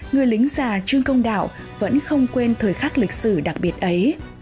người lính già trương công đạo vẫn không quên thời khắc lịch sử đặc biệt ấy